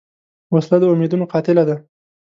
وسله د امیدونو قاتله ده